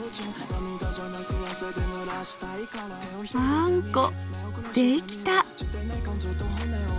あんこできた！